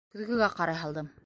Көҙгөгә ҡарай һалдым.